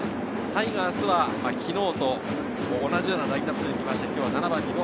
タイガースは昨日と同じようなラインナップになります。